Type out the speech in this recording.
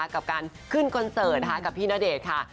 กับการขึ้นคอนเสิร์ตกับพี่ณเดชน์ค่ะ